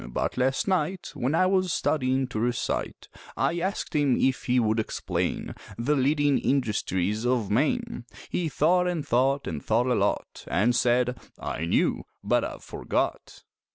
But last night When I was studyin' to recite I asked him if he would explain The leading industries of Maine He thought an' thought an' thought a lot, An' said, "I knew, but I've forgot."